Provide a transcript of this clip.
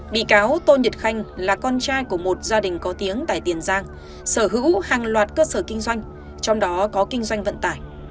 bị cáo tôn nhật khanh là con trai của một gia đình có tiếng tại tiền giang sở hữu hàng loạt cơ sở kinh doanh trong đó có kinh doanh vận tải